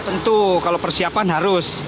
tentu kalau persiapan harus